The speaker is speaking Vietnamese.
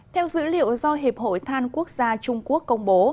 theo dữ liệu do hiệp hội than quốc gia trung quốc công bố